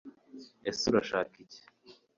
Ese Urashaka iki